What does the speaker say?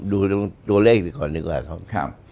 ดูตัวเลขดีกว่าครับ